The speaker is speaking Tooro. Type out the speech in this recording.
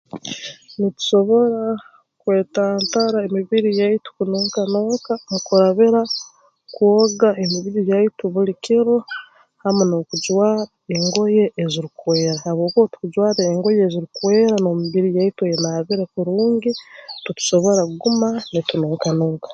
Nitusobora kwetantara emibiri yaitu kununkanunka mu kurabira kwoga emibiri yaitu buli kiro hamu n'okujwara engoye ezirukwera habwokuba obu tukujwara engoye ezirukwera n'emibiri yaitu enaabire kurungi titusobora kuguma nitununka nunka